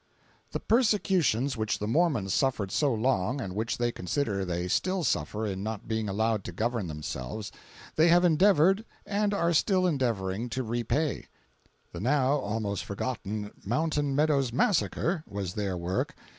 The persecutions which the Mormons suffered so long—and which they consider they still suffer in not being allowed to govern themselves—they have endeavored and are still endeavoring to repay. The now almost forgotten "Mountain Meadows massacre" was their work.